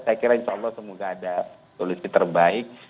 saya kira insya allah semoga ada solusi terbaik